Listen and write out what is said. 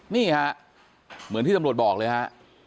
นี่ฮะเหมือนที่ตำรวจบอกเลยฮะ